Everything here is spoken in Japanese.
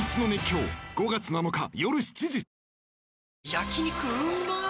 焼肉うまっ